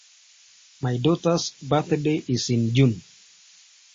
My daughter's birthday is in June.